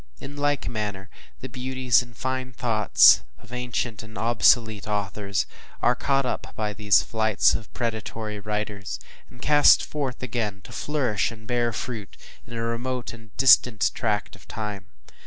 In like manner, the beauties and fine thoughts of ancient and obsolete authors are caught up by these flights of predatory writers, and cast forth, again to flourish and bear fruit in a remote and distant tract of time.